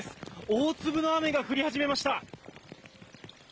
大粒の雨が降り始めました。